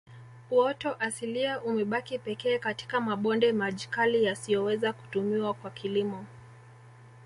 Uoto asilia umebaki pekee katika mabonde majkali yasiyoweza kutumiwa kwa kilimo